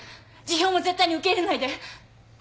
辞表も絶対に受け入れないで。